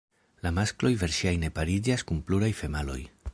La maskloj verŝajne pariĝas kun pluraj femaloj.